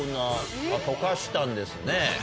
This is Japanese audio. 溶かしたんですね。